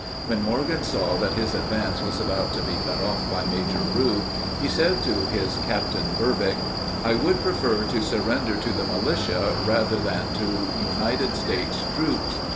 When Morgan saw that his advance was about to be cut off by Major Rue, he said to this Captain Burbick: "I would prefer to surrender to the militia rather than to United States troops.